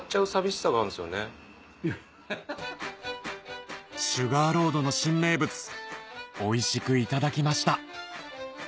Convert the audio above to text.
シュガーロードの新名物おいしくいただきました